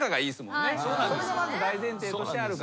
それがまず大前提としてある。